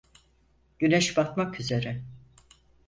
Güneş batmak üzere.